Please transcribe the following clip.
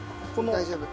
大丈夫。